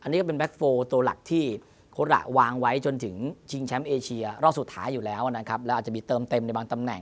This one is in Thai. เนี่ยเป็นแบสโฟล์ตัวหลักที่เขาหลังไว้จนถึงจีงแชมป์เอเชียรอดสุดท้ายอยู่แล้วน่าครับแล้วจะมีเติมเต็มในบางตำแหน่ง